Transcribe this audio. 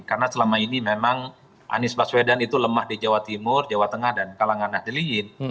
karena selama ini memang anies baswedan itu lemah di jawa timur jawa tengah dan kalanganah di lihit